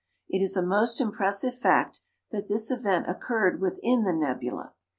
It is a most impressive fact that this event occurred within the nebula.